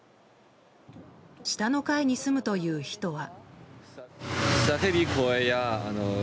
下の階に住むという人は。